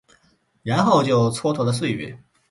然后就蹉跎了岁月